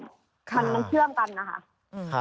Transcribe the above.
มันเชื่อมกันนะคะ